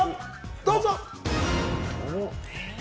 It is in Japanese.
どうぞ！